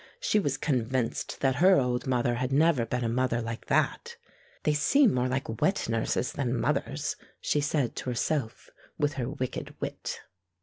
She was convinced that her old mother had never been a mother like that. "They seem more like wet nurses than mothers," she said to herself, with her wicked wit.